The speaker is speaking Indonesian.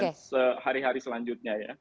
dan hari hari selanjutnya ya